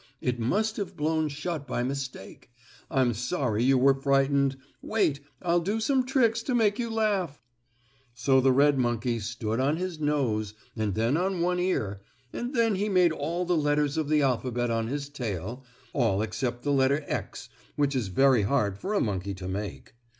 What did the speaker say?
It must have blown shut by mistake. I'm sorry you were frightened. Wait, I'll do some tricks to make you laugh." So the red monkey stood on his nose, and then on one ear, and then he made all the letters of the alphabet on his tail, all except the letter "X," which is very hard for a monkey to make.